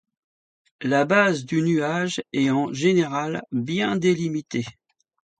La base du nuage est en général bien délimitée.